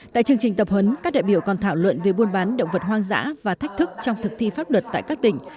tại chương trình tập huấn các đại biểu còn thảo luận về buôn bán động vật hoang dã và thách thức trong thực thi pháp luật tại các tỉnh